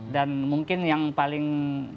dan mungkin yang paling